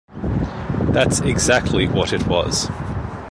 That's exactly what it was.